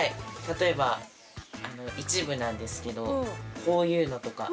例えば一部なんですけどこういうのとか。